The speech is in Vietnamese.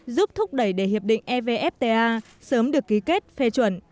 giúp thúc đẩy để hiệp định evfta sớm được ký kết phê chuẩn